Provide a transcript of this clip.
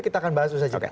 kita akan bahas itu saja